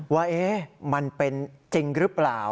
ว่ามันเป็นจริงหรือเปล่า